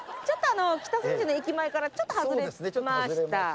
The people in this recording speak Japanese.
ちょっとあの北千住の駅前からちょっと外れました。